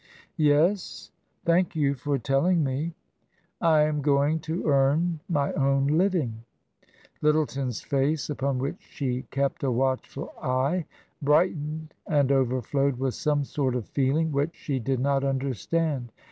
" Yes ? Thank you for telling me." " I am going to earn my own living." Lyttleton's face, upon which she kept a watchful eye, brightened and overflowed with some sort of feeling which she did not understand.